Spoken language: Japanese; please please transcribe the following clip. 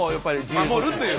守るという。